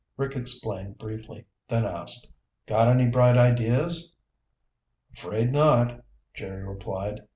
Rick explained briefly, then asked, "Got any bright ideas?" "Afraid not," Jerry replied.